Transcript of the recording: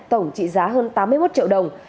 tổng trị giá hơn tám mươi một triệu đồng